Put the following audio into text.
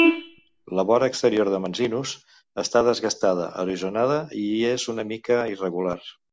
La vora exterior de Manzinus està desgastada, erosionada i és una mica irregular.